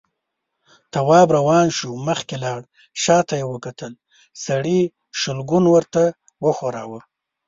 تواب روان شو، مخکې لاړ، شاته يې وکتل، سړي شلګون ورته وښوراوه.